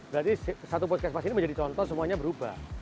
berarti satu puskesmas ini menjadi contoh semuanya berubah